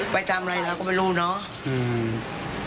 ไปทำอะไรเราก็ไม่รู้เนาะ